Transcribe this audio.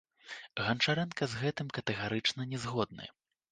Ганчарэнка з гэтым катэгарычна не згодны.